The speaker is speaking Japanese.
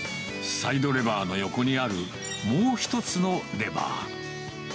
サイドレバーの横にある、もう一つのレバー。